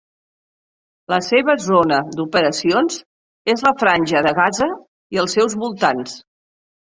La seva zona d'operacions és la Franja de Gaza i els seus voltants.